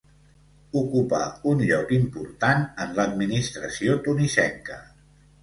Ocupà un lloc important en l'administració tunisenca.